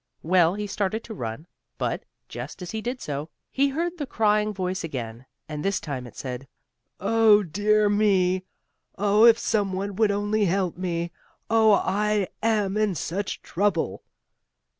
Well, he started to run, but, just as he did so, he heard the voice crying again, and this time it said: "Oh, dear me! Oh, if some one would only help me! Oh, I am in such trouble!"